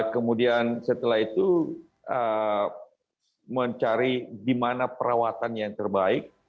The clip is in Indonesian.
kemudian setelah itu mencari di mana perawatan yang terbaik